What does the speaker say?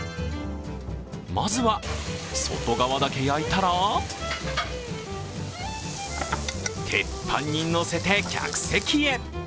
まずは外側だけ焼いたら鉄板に乗せて、客席へ。